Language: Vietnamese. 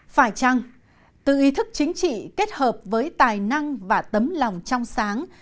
phải chăng tự ý thức chính trị kết hợp với tài năng và tấm lòng trong sáng